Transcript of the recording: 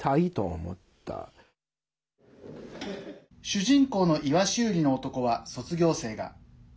主人公の鰯売りの男は卒業生が。